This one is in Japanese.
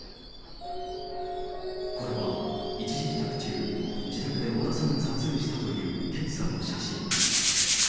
これは、一時帰宅中、自宅で小田さんが撮影したという健さんの写真。